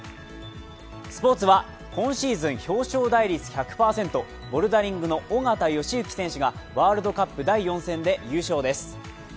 スポーツは、今シーズン表彰台率１００％、ボルダリングの緒方良行選手がワールドカップで優勝です。